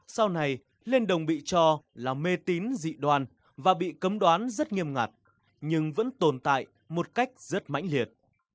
sau này lên đồng bị cho là mê tín dị đoan và bị cấm đoán rất nghiêm ngặt nhưng vẫn tồn tại một cách rất mãnh liệt